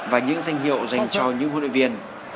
và những danh hiệu dành cho những huấn luyện viên